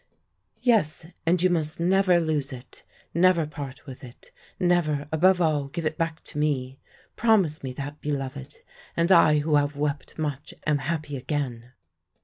"'Yes, and you must never lose it never part with it never, above all, give it back to me. Promise me that, beloved; and I, who have wept much, am happy again.'